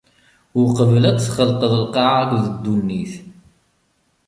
Uqbel ad d-txelqeḍ lqaɛa akked ddunit.